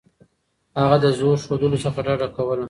هغه د زور ښودلو څخه ډډه کوله.